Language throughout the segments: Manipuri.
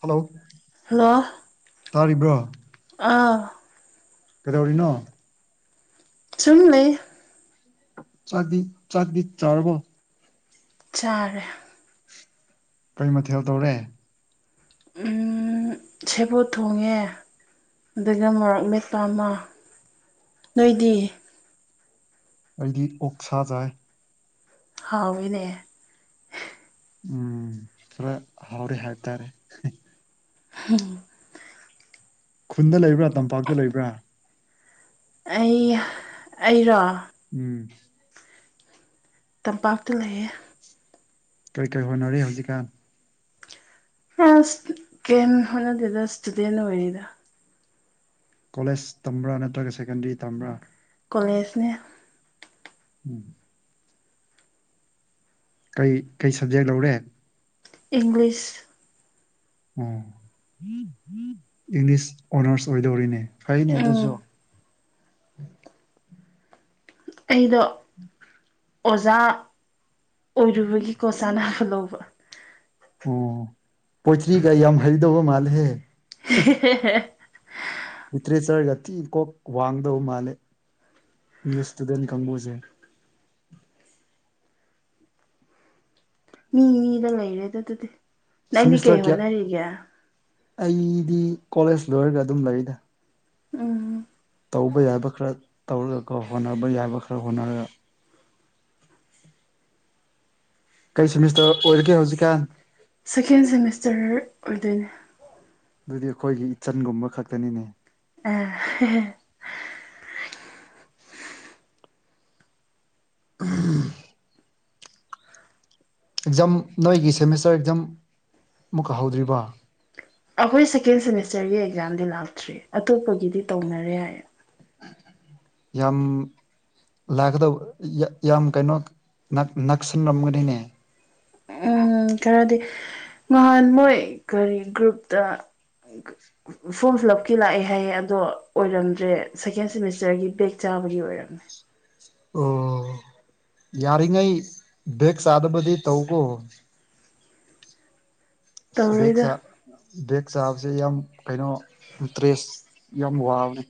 ꯍꯜꯂꯣ ꯍꯜꯂꯣ ꯇꯥꯔꯤꯕ꯭ꯔꯣ ꯑꯥ ꯀꯩꯗꯧꯔꯤꯅꯣ ꯁꯨꯝ ꯂꯩ ꯆꯥꯗꯤ ꯆꯥꯡꯗꯤ ꯆꯔꯕꯣ ꯆꯥꯔꯦ ꯀꯩ ꯃꯊꯦꯜ ꯗꯧꯔꯦ ꯎꯝ ꯁꯦꯕꯣꯠ ꯊꯣꯉꯦ ꯑꯗꯨꯒ ꯃꯣꯔꯛ ꯃꯦꯠ ꯄꯥ ꯑꯃꯥ ꯅꯣꯏꯗꯤ ꯑꯩꯗꯤ ꯑꯣꯛꯁꯥ ꯆꯥꯏ ꯍꯥꯎꯋꯤꯅꯦ ꯎꯝ ꯈꯔ ꯍꯥꯎꯔ‌ꯦ ꯍꯥꯏꯇꯥꯔꯦ ꯍꯝ ꯈꯨꯟꯗ ꯂꯩꯕ꯭ꯔꯥ ꯇꯝꯄꯥꯛꯇ ꯂꯩꯕ꯭ꯔꯥ ꯑꯩ ꯑꯩꯔꯣ ꯎꯝ ꯇꯝꯄꯥꯛꯇ ꯂꯩꯌꯦ ꯀꯔꯤ ꯀꯔꯤ ꯍꯣꯅꯔꯤ ꯍꯧꯖꯤꯛꯀꯥꯟ ꯑꯁ ꯀ‌ꯦꯝ ꯍ‌ꯣꯅꯗ‌ꯦꯗ ꯏꯁꯇꯨꯗꯦꯟ ꯑꯣꯏꯔꯤꯗ ꯀꯣꯂꯦꯖ ꯇꯝꯕ꯭ꯔꯥ ꯅꯠꯇ꯭ꯔꯒ ꯁꯦꯀꯦꯟꯗꯔꯤ ꯇꯝꯕ꯭ꯔꯥ ꯀꯣꯂꯦꯁ ꯅꯦ ꯎꯝ ꯀꯩ ꯀꯩ ꯁꯕꯖꯦꯛ ꯂꯧꯔꯦ ꯏꯪꯂꯤꯁ ꯑ‌ꯣ ꯏꯪꯂꯤꯁ ꯑꯣꯅꯔꯁ ꯑꯣꯏ ꯗꯧꯔꯤꯅꯦ ꯐꯩꯅꯦ ꯎꯝ ꯑꯗꯨꯖꯨ ꯑꯩꯗꯣ ꯑꯣꯖꯥ ꯑꯣꯏꯔꯨꯕꯒꯤꯀꯣ ꯆꯥꯟꯅꯕ ꯂꯧꯕ ꯑꯣ ꯄꯣꯏꯇ꯭ꯔꯤꯒ ꯌꯥꯝ ꯍꯩꯗꯧꯕ ꯃꯥꯜꯂꯦꯍꯦ [unintelligible] ꯂꯤꯇꯔꯦꯆꯔꯒ ꯊꯤ ꯀꯣꯛ ꯋꯥꯡꯗꯧ ꯃꯥꯜꯂꯦ ꯏꯪꯂꯤꯁ ꯏꯁꯇꯨꯗꯦꯟ ꯀꯥꯡꯕꯨꯖ‌ꯦ ꯃꯤ ꯃꯤꯗ ꯂꯩꯔꯦꯗ ꯑꯗꯨꯗꯤ ꯅꯪꯗꯤ ꯁꯦꯃꯤꯁꯇꯔ ꯀꯩ ꯀꯌꯥ ꯍꯣꯠꯅꯔꯤꯒꯦ ꯑꯩꯗꯤ ꯀꯣꯂꯦꯁ ꯂꯣꯏꯔꯒ ꯑꯗꯨꯝ ꯂꯩꯗ ꯎꯝ ꯇꯧꯕ ꯌꯥꯕ ꯈꯔ ꯇꯧꯔꯒꯀꯣ ꯍꯣꯟꯅꯕ ꯌꯥꯕ ꯈꯔ ꯍꯣꯅꯔꯒ ꯀꯩ ꯁꯦꯃꯤꯁꯇꯔ ꯑꯣꯏꯔꯒꯦ ꯍꯧꯖꯤꯛꯀꯥꯟ ꯁꯦꯀꯦꯟ ꯁꯦꯃꯤꯁꯇꯔ ꯑꯣꯏꯗꯣꯏꯅꯦ ꯗꯨꯗꯤ ꯑꯈꯣꯏꯒꯤ ꯏꯆꯟ ꯒꯨꯝꯕ ꯈꯛꯇꯅꯤꯅꯦ [unintelligible] ꯎꯝ ꯑꯦꯛꯖꯥꯝ ꯅꯣꯏꯒꯤ ꯁꯦꯃꯤꯁꯇꯔ ꯑꯦꯛꯖꯥꯝ ꯑꯃꯨꯛꯀ ꯍꯧꯗ꯭ꯔꯤꯕ‌ꯣ ꯑꯈꯣꯏ ꯁꯦꯀꯦꯟ ꯁꯦꯃꯤꯁꯇꯔꯒꯤ ꯑꯦꯛꯖꯥꯝꯗꯤ ꯂꯥꯛꯇ꯭ꯔꯤ ꯑꯇꯣꯞꯄꯒꯤꯗꯤ ꯇꯧꯅꯔꯦ ꯍꯥꯏ ꯌꯥꯝ ꯂꯥꯛꯀꯗꯕ ꯌ ꯌꯥꯝ ꯀꯩꯅꯣ ꯅꯛ ꯅꯛꯁꯤꯟ ꯔꯝꯒꯅꯤꯅꯦ ꯎꯝ ꯈꯔꯗꯤ ꯅꯍꯥꯟ ꯃꯣꯏ ꯀꯔꯤ ꯒ꯭ꯔꯨꯞꯇ [unintelligible] ꯐꯣꯝ ꯐꯤꯜ ꯂꯞ ꯀꯤ ꯂꯥꯑꯦ ꯍꯥꯏꯌꯦ ꯑꯗꯣ ꯑꯣꯏꯔꯝꯗ꯭ꯔꯦ ꯁꯦꯀꯦꯟ ꯁꯦꯃꯤꯁꯇꯔꯒꯤ ꯕꯦꯛ ꯆꯥꯕꯒꯤ ꯑꯣꯏꯔꯝꯃꯦ ꯑꯣ ꯌꯥꯔꯤꯉꯩ ꯕꯦꯛ ꯆꯥꯗꯕꯗꯤ ꯇꯧꯀꯣ ꯕꯦꯛ ꯇꯧꯔꯣꯏꯗ ꯆꯥ ꯕꯦꯛ ꯆꯥꯕꯁꯦ ꯌꯥꯝ ꯀꯩꯅꯣ ꯇ꯭ꯔꯦꯁ ꯌꯥꯝ ꯋꯥꯕꯅꯤ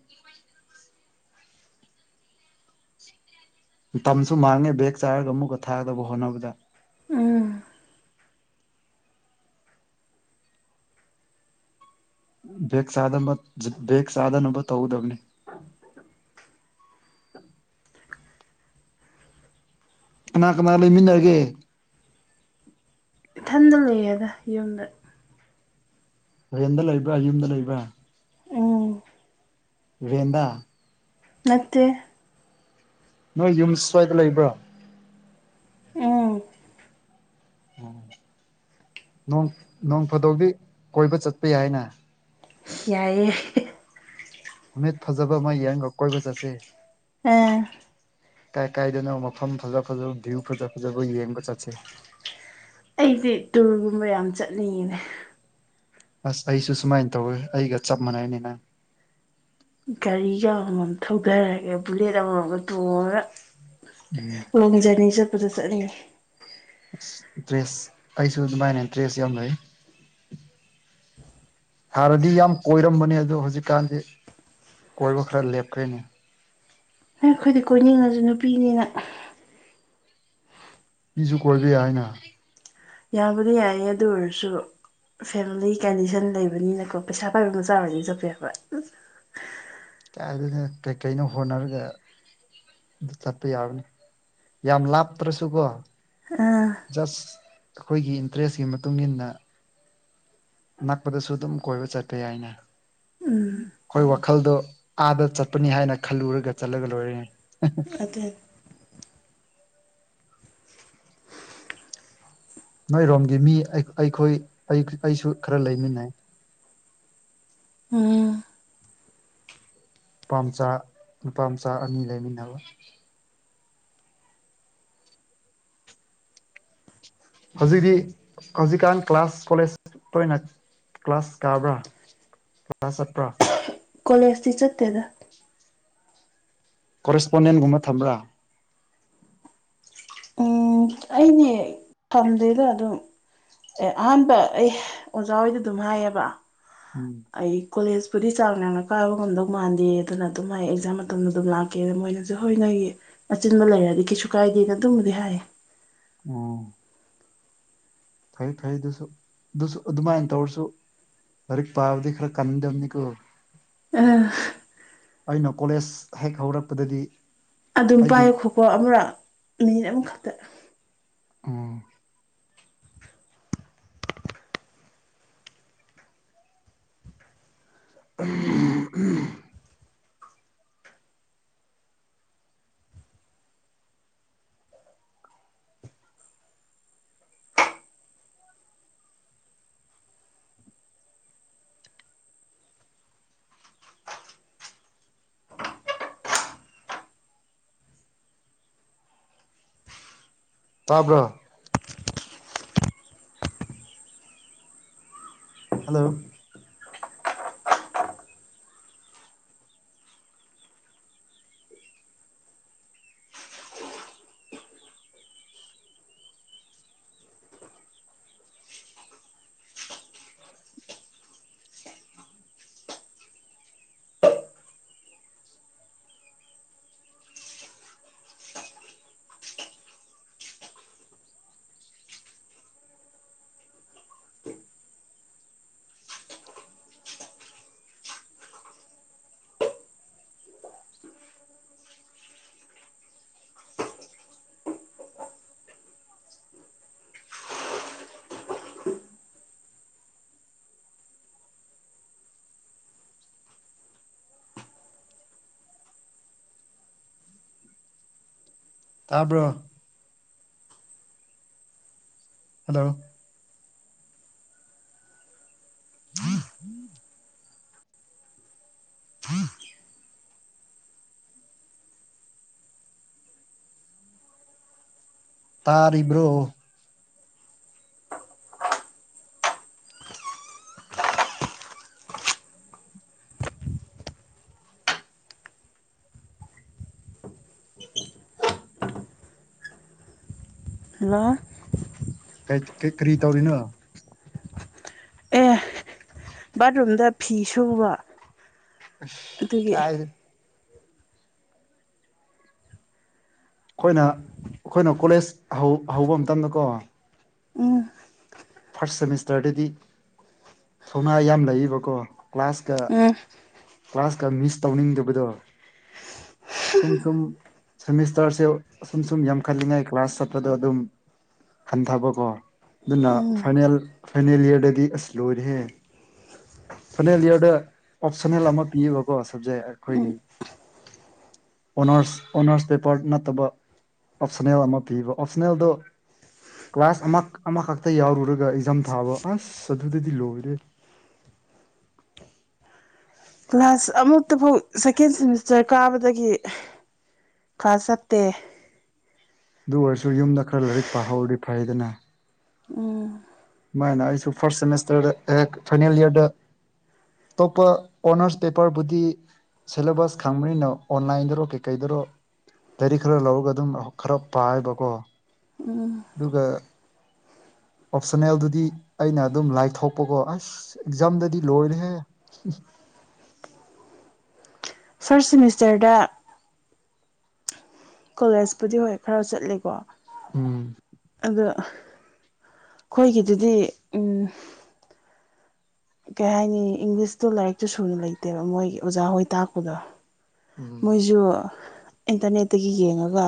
ꯇꯝꯁꯨ ꯃꯥꯡꯉꯦ ꯕꯦꯛ ꯆꯥꯔꯒ ꯑꯃꯨꯛꯀ ꯊꯥꯗꯧꯕ ꯍꯣꯠꯅꯕꯗ ꯎꯝ ꯕꯦꯛ ꯆꯥꯗꯅꯕ ꯕꯦꯛ ꯆꯥꯗꯅꯕ ꯇꯧꯒꯗꯕꯅꯤ ꯀꯅꯥ ꯀꯅꯥ ꯂꯩꯃꯤꯟꯅꯔꯒꯦ ꯏꯊꯟꯗ ꯂꯩꯌꯦꯗ ꯌꯨꯝꯗ ꯔꯦꯟꯗ ꯂꯩꯕ꯭ꯔꯥ ꯌꯨꯝꯗ ꯂꯩꯕ꯭ꯔꯥ ꯎꯝ ꯔꯦꯟꯗ ꯅꯠꯇꯦ ꯅꯣꯏ ꯌꯨꯝ ꯁ꯭ꯋꯥꯏꯗ ꯂꯩꯕ꯭ꯔ ꯎꯝ ꯑꯣ ꯅꯣꯡ ꯐꯥꯗꫭꯛꯗꯤ ꯀꯣꯏꯕ ꯆꯠꯄ ꯌꯥꯏꯅ ꯌꯥꯏꯌꯦ ꯅꯨꯃꯤꯠ ꯐꯖꯕ ꯑꯃ ꯌꯦꯡꯒ ꯀꯣꯏꯕ ꯆꯠꯁꯦ [unintelligible] ꯀꯥꯏ ꯀꯥꯏꯗꯅꯣ ꯃꯐꯝ ꯐꯖ ꯐꯖꯕ ꯚ꯭ꯌꯨ ꯐꯖ ꯐꯖꯕ ꯌꯦꯡꯕ ꯆꯠꯁꯦ ꯑꯩꯖꯦ ꯇꯨꯔꯒꯨꯝꯕ ꯌꯥꯝ ꯆꯠꯅꯤꯡꯉꯤꯅꯦ ꯑꯁ ꯑꯩꯁꯨ ꯁꯨꯃꯥꯏꯅ ꯇꯧꯋꯦ ꯑꯩꯒ ꯆꯞ ꯃꯥꯟꯅꯩ ꯅꯦ ꯅꯪ ꯒꯥꯔꯤꯒ ꯑꯃꯃꯝ ꯊꯧꯗꯔꯒ ꯕꯨꯂꯦꯠ ꯑꯃꯃꯝꯒ ꯇꯣꯡꯉꯒ ꯎꯝ ꯂꯣꯡ ꯖꯔꯅꯤ ꯆꯠꯄꯗꯣ ꯆꯠꯅꯤꯡꯉꯤ ꯑꯁ ꯗ꯭ꯔꯦꯁ ꯑꯩꯁꯨ ꯑꯗꯨꯃꯥꯏꯅ ꯗ꯭ꯔꯦꯁ ꯌꯥꯝ ꯂꯩ ꯍꯥꯟꯅꯗꯤ ꯌꯥꯝ ꯀꯣꯏꯔꯝꯕꯅꯦ ꯑꯗꯣ ꯍꯧꯖꯤꯛꯀꯥꯟꯗꯤ ꯀꯣꯏꯕ ꯈꯔ ꯂꯦꯞꯈ꯭ꯔꯦꯅꯦ ꯑꯩꯈꯣꯏꯗꯤ ꯀꯣꯏꯅꯤꯡꯉꯖꯨ ꯅꯨꯄꯤꯅꯤꯅ ꯅꯨꯄꯤꯖꯨ ꯀꯣꯏꯕ ꯌꯥꯏꯅ ꯌꯥꯕꯨꯗꯤ ꯌꯥꯏꯌꯦ ꯑꯗꯨ ꯑꯣꯏꯔꯁꯨ ꯐꯦꯃꯤꯂꯤ ꯀꯟꯗꯤꯁꯟ ꯂꯩꯕꯅꯤꯅꯀꯣ ꯄꯩꯁꯥ ꯄꯥꯏꯕ ꯃꯆꯥ ꯑꯣꯏꯗꯤ ꯆꯠꯄ ꯌꯥꯕ ꯑꯗꯨꯅꯦ ꯀꯩꯀꯩꯅꯣ ꯍꯣꯠꯅꯔꯒ ꯆꯠꯄ ꯌꯥꯕꯅꯤ ꯌꯥꯝ ꯂꯥꯞꯇ꯭ꯔꯁꯨꯀꯣ ꯑꯥ ꯖꯁ ꯑꯩꯈꯣꯏꯒꯤ ꯏꯟꯇꯔꯦꯁꯀꯤ ꯃꯇꯨꯡ ꯏꯟꯅ ꯅꯛꯄꯗꯁꯨ ꯑꯗꯨꯝ ꯀꯣꯏꯕ ꯆꯠꯄ ꯌꯥꯏꯅ ꯎꯝ ꯑꯩꯈꯣꯏ ꯋꯥꯈꯜꯗꯣ ꯑꯥꯗ ꯆꯠꯄꯅꯤ ꯍꯥꯏꯅ ꯈꯜꯂꯨꯔꯒ ꯆꯠꯂꯒ ꯂꯣꯏꯔꯦ [unintelligible] ꯅꯣꯏꯔꯣꯝꯒꯤ ꯃꯤ ꯑꯩꯈꯣꯏ ꯑꯩꯁꯨ ꯈꯔ ꯂꯩꯃꯤꯟꯅꯩ ꯎꯝ ꯅꯨꯄꯥꯝꯆꯥ ꯅꯨꯄꯥ ꯃꯆꯥ ꯑꯅꯤ ꯂꯩꯃꯤꯟꯅꯕ ꯍꯧꯖꯤꯛꯇꯤ ꯍꯧꯖꯤꯛꯀꯥꯟ ꯀ꯭ꯂꯥꯁ ꯀꯣꯂꯦꯖ ꯇꯣꯏꯅ ꯀ꯭ꯂꯥꯁ ꯀꯥꯕ꯭ꯔꯥ ꯀ꯭ꯂꯥꯁ ꯆꯠꯄ꯭ꯔꯥ ꯀꯣꯂꯦꯖꯇꯤ ꯆꯠꯇꯦꯗ ꯀꯣꯔꯦꯁꯄꯣꯟꯗꯦꯟꯒꯨꯝꯕ ꯊꯝꯕ꯭ꯔꯥ ꯎꯝ ꯑꯩꯅꯦ ꯊꯝꯗꯦꯗ ꯑꯗꯨꯝ ꯑꯦ ꯑꯍꯥꯟꯕ ꯑꯩ ꯑꯣꯖꯥ ꯍꯣꯏꯗ ꯑꯗꯨꯝ ꯍꯥꯏꯌꯦꯕ [inaudible] ꯑꯩ ꯀꯣꯂꯦꯖꯄꯨꯗꯤ ꯆꯥꯡꯅꯥꯏꯅ ꯀꯥꯏꯕ ꯉꯝꯗꯧ ꯃꯥꯟꯗꯦ ꯑꯗꯨꯅ ꯑꯗꯨꯝ ꯑꯩ ꯑꯦꯛꯖꯥꯝ ꯃꯇꯝꯗ ꯑꯗꯨꯝ ꯂꯥꯛ ꯀꯦ ꯃꯣꯏꯅꯖꯨ ꯍꯣꯏ ꯅꯣꯏꯒꯤ ꯑꯆꯤꯟꯕ ꯂꯩꯔꯗꯤ ꯀꯩꯁꯨ ꯀꯥꯏꯗꯦꯅ ꯑꯗꯨꯝꯕꯨꯗꯤ ꯍꯥꯏꯌꯦ ꯑꯣ ꯐꯩ ꯐꯩ ꯑꯗꯨꯁꯨ ꯑꯗꯨꯁꯨ ꯑꯗꯨꯃꯥꯏꯅ ꯇꯧꯔꯁꯨ ꯂꯥꯏꯔꯤꯛ ꯄꯥꯕꯗꯤ ꯈꯔ ꯀꯟꯗꯕꯅꯤꯀꯣ ꯑ ꯑꯩꯅ ꯀꯣꯂꯦꯖ ꯍꯦꯛ ꯍꯧꯔꯛꯄꯗꯗꯤ ꯑꯗꯨꯝ ꯑꯩꯒꯤ ꯄꯥꯏꯌꯣ ꯈꯨꯀꯣ ꯑꯃꯨꯔꯛ ꯃꯤꯅꯤꯠ ꯑꯃꯈꯛꯇ ꯎꯝ [unintelligible] ꯇꯥꯕ꯭ꯔꯣ ꯍꯜꯂꯣ [unintelligible] ꯇꯥꯕ꯭ꯔꯣ ꯍꯜꯂꯣ [unintelligible] [unintelligible] ꯇꯥꯔꯤꯕ꯭ꯔꯣ ꯍꯜꯂꯣ ꯍꯦꯏꯠ ꯀꯩ ꯀꯔꯤ ꯇꯧꯔꯤꯅꯣ ꯑꯦ ꯕꯥꯠꯔꯨꯝꯗ ꯐꯤ ꯁꯨꯕ ꯑꯁ ꯑꯗꯨꯒꯤ ꯀꯥꯏꯗꯅꯣ ꯑꯩꯈꯣꯏꯅ ꯑꯩꯈꯣꯏꯅ ꯀꯣꯂꯦꯖ ꯍꯧ ꯍꯧꯕ ꯃꯇꯝꯗ ꯀꯣ ꯎꯝ ꯐꯥꯔꯁ ꯁꯦꯃꯤꯁꯇꯔꯗꯗꯤ ꯊꯧꯅꯥ ꯌꯥꯝ ꯂꯩꯌꯦꯕꯀꯣ ꯀ꯭ꯂꯥꯁꯀ ꯎꯝ ꯀ꯭ꯂꯥꯁꯀ ꯃꯤꯁ ꯇꯧꯅꯤꯡꯗꯕꯗꯣ ꯁꯨꯝ ꯁꯨꯝ ꯁꯦꯃꯤꯁꯇꯔꯁꯦ ꯑꯁꯨꯝ ꯁꯨꯝ ꯌꯥꯝꯈꯠꯂꯤꯉꯥꯏ ꯀ꯭ꯂꯥꯁ ꯆꯠꯄꯗꯣ ꯑꯗꯨꯝ ꯍꯟꯊꯕꯀꯣ ꯑꯗꯨꯅ ꯐꯥꯏꯅꯦꯜ ꯐꯥꯏꯅꯦꯜ ꯏꯌꯥꯔꯗꯗꯤ ꯑꯁ ꯂꯣꯏꯔꯦꯍꯦ ꯐꯥꯏꯅꯦꯜ ꯏꯌꯥꯔꯗ ꯑꯣꯞꯁꯟꯅꯜ ꯑꯃ ꯄꯤꯌꯦꯕꯀꯣ ꯁꯕꯖꯦꯛ ꯑꯩꯈꯣꯏꯒꯤ ꯑꯣꯅꯔꯁ ꯑꯣꯅꯔꯁ ꯄꯦꯄꯔ ꯅꯠꯇꯕ ꯑꯣꯞꯁꯅꯦꯜ ꯑꯃ ꯄꯤꯕ ꯑꯣꯞꯁꯅꯦꯜꯗꯣ ꯀ꯭ꯂꯥꯁ ꯑꯃ ꯑꯃꯈꯛꯇ ꯌꯥꯎꯔꯨꯔ ꯗꯨꯒ ꯑꯦꯛꯖꯥꯝ ꯊꯥꯕ ꯑꯁ ꯑꯗꯨꯗꯗꯤ ꯂꯣꯏꯔꯦ ꯀ꯭ꯂꯥꯁ ꯑꯃꯨꯛꯇ ꯐꯥꯎ ꯁꯦꯀꯦꯟ ꯁꯦꯃꯤꯁꯇꯔ ꯀꯥꯕꯗꯒꯤ ꯈꯥ ꯆꯠꯇꯦ ꯗꯨ ꯑꯣꯏꯔꯁꯨ ꯌꯨꯝꯗ ꯈꯔ ꯂꯥꯏꯔꯤꯛ ꯄꯥꯍꯧꯔꯗꯤ ꯐꯩꯗꯅ ꯎꯝ ꯃꯥꯥꯏꯅ ꯑꯩꯁꯨ ꯐꯥꯔꯁ ꯁꯦꯃꯤꯁꯇꯔꯗ ꯑꯦ ꯐꯥꯏꯅꯦꯜ ꯏꯌꯥꯔꯗ ꯇꯣꯞꯄ ꯑꯣꯅꯔꯁ ꯄꯦꯄꯔꯕꯨꯗꯤ ꯁꯦꯂꯦꯕꯁ ꯈꯪꯕꯅꯤꯅ ꯑꯣꯟꯂꯥꯏꯟꯗꯔꯣ ꯀꯩꯀꯩꯗꯔꯣ ꯂꯥꯏꯔꯤꯛ ꯈꯔ ꯂꯧꯔꯒ ꯑꯗꯨꯝ ꯈꯔ ꯄꯥꯏꯕꯀꯣ ꯗꯨꯒ ꯑꯣꯞꯁꯟꯅꯦꯜꯗꯨꯗꯤ ꯑꯩꯅ ꯑꯗꯨꯝ ꯂꯥꯏ ꯊꯣꯛꯄꯀꯣ ꯑꯁ ꯑꯦꯛꯖꯥꯝꯗꯗꯤ ꯂꯣꯏꯔꯦꯍꯦ ꯐꯔꯁ ꯁꯦꯃꯤꯁꯇꯔꯗ ꯀꯣꯂꯦꯖꯄꯨꯗꯤ ꯍꯣꯏ ꯈꯔ ꯆꯠꯂꯦꯀꯣ ꯎꯝ ꯑꯗ ꯈꯣꯏꯒꯤꯗꯨꯗꯤ ꯎꯝ ꯀꯩ ꯍꯥꯏꯅꯤ ꯏꯪꯂꯤꯁꯇꯣ ꯂꯥꯏꯔꯤꯛꯇꯨ ꯁꯨꯅ ꯂꯩꯇꯦꯕ ꯃꯣꯏꯒꯤ ꯑꯣꯖꯥꯍꯣꯏ ꯇꯥꯛꯄꯗꯣ ꯎꯝ ꯃꯣꯏꯖꯨ ꯏꯟꯇꯔꯅꯦꯠꯇꯒꯤ ꯌꯦꯡꯉꯒ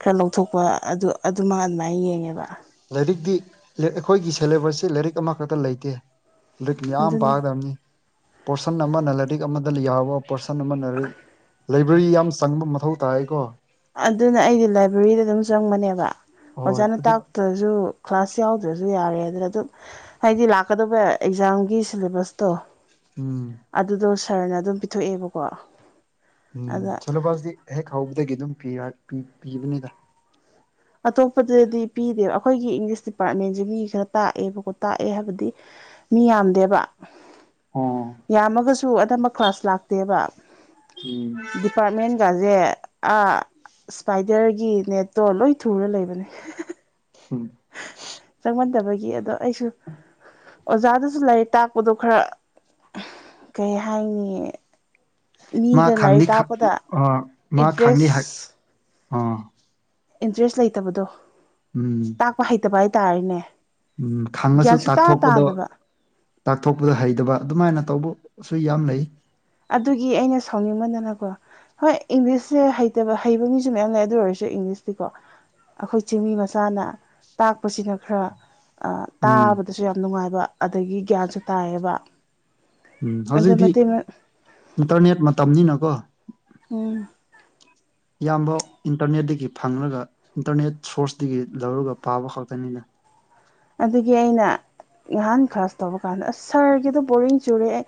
ꯈꯔ ꯂꯧꯊꯣꯛꯄ ꯑꯗꯨ ꯑꯗꯨꯃ ꯑꯗꯨꯃꯥꯏꯅ ꯌꯦꯡꯉꯦꯕ ꯂꯥꯏꯔꯤꯛꯇꯤ ꯂ ꯑꯩꯈꯣꯏꯒꯤ ꯁꯦꯂꯦꯕꯁꯁꯦ ꯂꯥꯏꯔꯤꯛ ꯑꯃꯈꯛꯇ ꯂꯩꯇꯦ ꯂꯥꯏꯔꯤꯛ ꯃꯌꯥꯝ ꯑꯗꯨꯅꯤ ꯄꯥꯒꯗꯕꯅꯤ ꯄꯣꯔꯁꯟ ꯑꯃꯅ ꯂꯥꯏꯔꯤꯛ ꯑꯃꯗ ꯌꯥꯎꯕ ꯄꯔꯁꯟ ꯑꯃꯅ ꯂꯥꯏꯕ꯭ꯔꯦꯔꯤ ꯌꯥꯝ ꯆꯪꯕ ꯃꯊꯧ ꯇꯥꯏꯀꯣ ꯑꯗꯨꯅ ꯑꯩꯗꯤ ꯂꯥꯏꯕ꯭ꯔꯦꯔꯤꯗ ꯑꯗꯨꯝ ꯆꯪꯕꯅꯦꯕ ꯍꯣꯏ ꯑꯣꯖꯥꯅ ꯑꯗꯨꯅ ꯇꯥꯛꯇ ꯁꯨ ꯀ꯭ꯂꯥꯁ ꯌꯥꯎꯗ꯭ꯔꯁꯨ ꯌꯥꯔꯦ ꯑꯗꯨꯅ ꯑꯗꯨꯝ ꯍꯥꯏꯗꯤ ꯂꯥꯛꯀꯗꯧꯕ ꯑꯦꯛꯖꯥꯝꯒꯤ ꯁꯤꯂꯦꯕꯁꯇꯣ ꯎꯝ ꯑꯗꯨꯗꯣ ꯁꯥꯔꯅ ꯑꯗꯨꯝ ꯄꯤꯊꯣꯛꯑꯦꯕꯀꯣ ꯑꯗ ꯁꯤꯂꯦꯕꯁꯗꯤ ꯍꯦꯛ ꯍꯧꯕꯗꯒꯤ ꯑꯗꯨꯝ ꯄꯤ ꯄꯤꯕꯅꯤꯗ ꯑꯇꯣꯞꯄꯗꯗꯤ ꯄꯤꯗꯦꯕ ꯑꯩꯈꯣꯏꯒꯤ ꯏꯪꯂꯤꯁ ꯗꯤꯄꯥꯔꯠꯃꯦꯟꯁꯦ ꯃꯤꯒꯤ ꯈꯔ ꯇꯥꯛꯑꯦꯕꯀꯣ ꯇꯥꯛꯑꯦ ꯍꯥꯏꯕꯗꯤ ꯃꯤ ꯌꯥꯝꯗꯦꯕ ꯑꯣ ꯌꯥꯝꯃꯒꯁꯨ ꯑꯅꯝꯕ ꯀ꯭ꯂꯥꯁ ꯂꯥꯛꯇꯦꯕ ꯎꯝ ꯗꯤꯄꯥꯔꯠꯃꯦꯟꯒꯁꯦ ꯏꯁꯄꯥꯏꯗꯔꯒꯤ ꯅꯦꯠꯇꯣ ꯂꯣꯏ ꯊꯨꯔ ꯂꯩꯕꯅꯤ ꯎꯝ ꯆꯪꯃꯟꯗꯕꯒꯤ ꯑꯗꯣ ꯑꯩꯁꯨ ꯑꯣꯖꯥꯗꯨꯁꯨ ꯂꯥꯏꯔꯤꯛ ꯇꯥꯛꯄꯗꯣ ꯈꯔ ꯀꯩ ꯍꯥꯏꯅꯤ ꯃꯥ ꯃꯤꯗ ꯈꯪꯅꯤ ꯂꯥꯏꯔꯤꯛ ꯇꯥꯛꯄꯗ ꯑꯥ ꯃꯥ ꯈꯪꯅꯤ ꯏꯟꯇꯔꯦꯁ ꯑꯥ ꯏꯟꯇ꯭ꯔꯦꯁ ꯂꯩꯇꯕꯗꯣ ꯎꯝ ꯇꯥꯛꯄ ꯍꯩꯇꯕ ꯍꯥꯏꯇꯥꯔꯦꯅꯦ ꯎꯝ ꯈꯪꯉꯁꯨ ꯒ꯭ꯌꯥꯟ ꯁꯨꯇꯥ ꯇꯥꯛꯊꯣꯛꯄꯗꯣ ꯇꯥꯗꯕ ꯇꯥꯛꯊꯣꯛꯄꯗ ꯍꯩꯇꯕ ꯑꯗꯨꯃꯥꯏꯅ ꯇꯧꯕꯁꯨ ꯌꯥꯝ ꯂꯩ ꯑꯗꯨꯒꯤ ꯑꯩꯅ ꯁꯥꯎꯅꯤꯡꯃꯟꯗꯅꯀꯣ꯫ ꯍꯣꯏ ꯏꯪꯂꯤꯁꯁꯦ ꯍꯩꯇꯕ ꯍꯩꯕ ꯃꯤꯁꯨ ꯃꯌꯥꯝ ꯂꯩ ꯑꯗꯨ ꯑꯣꯏꯔꯁꯨ ꯏꯪꯂꯤꯁꯇꯤꯀꯣ꯫ ꯑꯈꯣꯏ ꯆꯤꯡꯃꯤ ꯃꯆꯥꯅ ꯇꯥꯛꯄꯁꯤꯅ ꯈꯔ꯫ ꯎꯝ ꯇꯥꯕꯗꯁꯨ ꯌꯥꯝ ꯅꯨꯡꯉꯥꯏꯕ ꯑꯗꯒꯤ ꯒ꯭ꯌꯥꯟꯁꯨ ꯇꯥꯏꯌꯦꯕ꯫ ꯎꯝ ꯑꯗ ꯍꯧꯖꯤꯛꯇꯤ ꯃꯩꯇꯩ ꯏꯟꯇꯔꯅꯦꯠ ꯃꯇꯝꯅꯤꯅꯀꯣ꯫ ꯎꯝ꯫ ꯏꯌꯥꯝꯕ ꯏꯟꯇꯔꯅꯦꯠꯇꯒꯤ ꯐꯪꯂꯒ ꯏꯟꯇꯔꯅꯦꯠ ꯁꯣꯔꯁꯇꯒꯤ ꯂꯧꯔꯒ ꯄꯥꯕ ꯈꯛꯇꯅꯤꯅ꯫ ꯑꯗꯨꯗꯒꯤ ꯑꯩꯅ ꯉꯍꯥꯟ ꯈꯥꯁ ꯇꯧꯕ ꯀꯥꯟꯗ ꯑꯁ ꯁꯥꯔꯒꯤꯗꯣ ꯕꯣꯔꯤꯡ ꯆꯨꯔꯦꯑꯩ꯫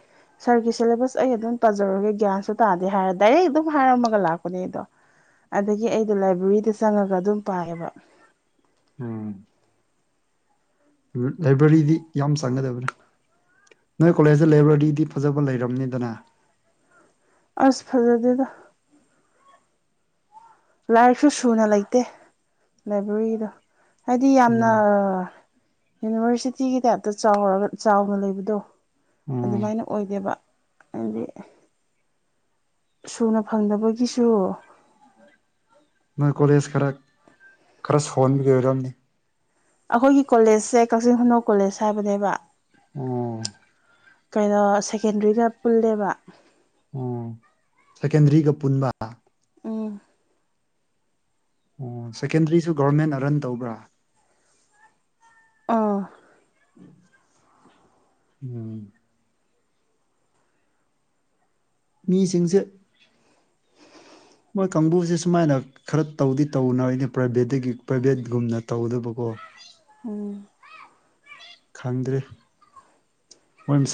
ꯁꯥꯔꯒꯤ ꯁꯤꯂꯦꯕꯁ ꯑꯩ ꯑꯗꯨꯝ ꯄꯥꯖꯔꯨꯔꯒꯦ ꯒ꯭ꯌꯥꯟꯁꯨ ꯇꯥꯗꯦ ꯍꯥꯏꯔ ꯗꯥꯏꯔꯦꯛ ꯑꯗꯨꯝ ꯍꯥꯏꯔꯝꯃꯒ ꯂꯥꯛꯄꯅꯦ ꯑꯗꯣ꯫ ꯑꯗꯒꯤ ꯑꯩꯗ ꯂꯥꯏꯕ꯭ꯔꯦꯔꯤꯗ ꯆꯪꯉꯒ ꯑꯗꯨꯝ ꯄꯥꯏꯌꯦꯕ꯫ ꯎꯝ꯫ ꯂꯥꯏꯕ꯭ꯔꯦꯔꯤꯗꯤ ꯌꯥꯝ ꯆꯪꯒꯗꯕꯅꯤ꯫ ꯅꯣꯏ ꯀꯣꯂꯦꯖꯇ ꯂꯥꯏꯕ꯭ꯔꯦꯔꯤꯗꯤ ꯐꯖꯕ ꯂꯩꯔꯝꯅꯤꯗꯅ꯫ ꯑꯁ ꯐꯖꯗ‌ꯦꯗ꯫ ꯂꯥꯏꯔꯤꯛꯁꯨ ꯁꯨꯅ ꯂꯩꯇꯦ ꯂꯥꯏꯕ꯭ꯔꯦꯔꯤꯗꯣ꯫ ꯍꯥꯏꯗꯤ ꯌꯥꯝꯅ꯫ ꯎꯝ ꯌꯨꯅꯤꯚꯔꯁꯤꯇꯤꯒꯤ ꯇꯥꯏꯞꯇ ꯆꯥꯎꯔꯒ ꯆꯥꯎꯅ ꯂꯩꯕꯗꯣ ꯑꯣ ꯑꯗꯨꯃꯥꯏꯅ ꯑꯣꯏꯗꯦꯕ꯫ ꯑꯩꯅꯗꯤ꯫ ꯁꯨꯅ ꯐꯪꯗꯕꯒꯤꯁꯨ꯫ ꯅꯣꯏ ꯀꯣꯂꯦꯖ ꯈꯔ ꯈꯔ ꯁꫭꯟꯕꯒꯤ ꯑꯣꯏꯔꯝꯅꯤ꯫ ꯑꯈꯣꯏꯒꯤ ꯀꯣꯂꯦꯖꯁꯦ ꯀꯛꯆꯤꯡ ꯈꯨꯅꯧ ꯀꯣꯂꯦꯖ ꯍꯥꯏꯕꯅꯦꯕ꯫ ꯑꯣ꯫ ꯀꯩꯩꯅꯣ ꯁꯦꯀꯦꯟꯗ꯭ꯔꯤꯗ ꯄꯨꯜꯂꯦꯕ꯫ ꯑꯣ ꯁꯦꯀꯦꯟꯗ꯭ꯔꯤꯒ ꯄꯨꯟꯕ꯫ ꯎꯝ ꯑꯣ ꯁꯦꯀꯦꯟꯗ꯭ꯔꯤꯁꯨ ꯒꯣꯔꯃꯦꯟꯅ ꯔꯟ ꯇꯧꯕ꯭ꯔꯥ ꯑꯥ ꯎꯝ ꯃꯤꯁꯤꯡꯁꯦ ꯑꯈꯣꯏ ꯀꯥꯡꯕꯨꯁꯦ ꯁꯨꯃꯥꯏꯅ ꯈꯔ ꯇꯧꯗꯤ ꯇꯧꯅꯔꯤꯅꯦ ꯄ꯭ꯔꯥꯏꯚꯦꯠꯇꯒꯤ ꯄ꯭ꯔꯥꯏꯚꯦꯠꯒꯨꯝꯅ ꯇꯧꯗꯕꯀꯣ ꯎꯝ ꯈꯪꯗ꯭ꯔꯦ ꯑꫭꯟꯁ